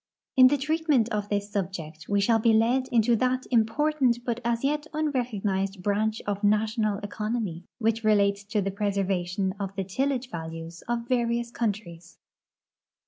In the treatment of this subject we shall he led into that im portant but as yet unrecognized branch of national economy which relates to the preservation of the tillage values of various countries.